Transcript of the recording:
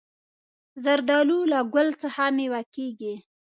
زردالو له ګل څخه مېوه کېږي.